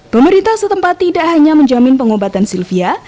pemerintah setempat tidak hanya menjamin pengobatan sylvia